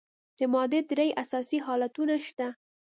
د مادې درې اساسي حالتونه شته.